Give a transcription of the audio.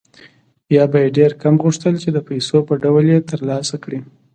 یا به یې ډېر کم غوښتل چې د پیسو په ډول یې ترلاسه کړي